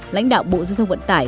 lãnh đạo bộ dư thông vận tải